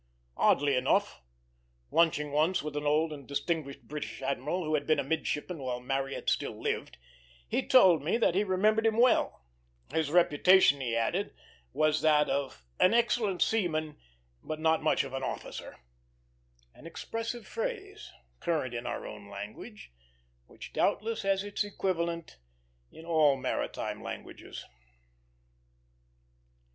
Oddly enough, lunching once with an old and distinguished British admiral, who had been a midshipman while Marryat still lived, he told me that he remembered him well; his reputation, he added, was that of "an excellent seaman, but not much of an officer," an expressive phrase, current in our own service, and which doubtless has its equivalent in all maritime languages.